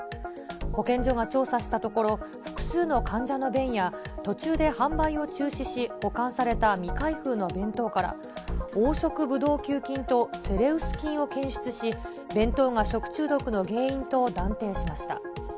保健所が調査したところ、複数の患者の便や、途中で販売を中止し保管された未開封の弁当から、黄色ブドウ球菌とセレウス菌を検出し、弁当が食中毒の原因と断定しました。